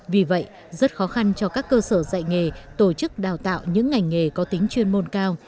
vì vậy rất khó khăn cho các cơ sở dạy nghề tổ chức đào tạo những ngành nghề có tính chuyên môn cao